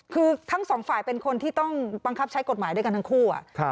คือทั้งสองฝ่ายเป็นคนที่ต้องบังคับใช้กฎหมายด้วยกันทั้งคู่